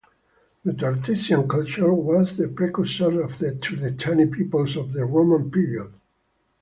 The Tartessian culture was the precursors of the Turdetani peoples of the Roman period.